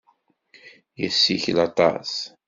Yessikel aṭas.